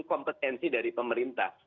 kompetensi dari pemerintah